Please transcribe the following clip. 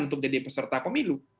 untuk jadi peserta pemilu